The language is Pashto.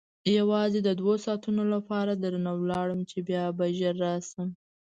یوازې د دوو ساعتو لپاره درنه ولاړم چې بیا به ژر راشم.